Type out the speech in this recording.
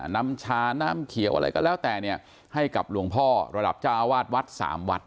นำชาน้ำเขียวอะไรก็แล้วแต่เนี่ยให้กับหลวงพ่อระดับเจ้าอาวาสวัดสามวัด